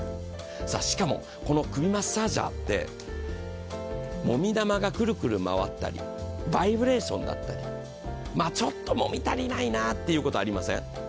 しかも、この首マッサージャーってもみ玉がグルグル回ったり、バイブレーションだったり、ちょっともみ足りないなということありません？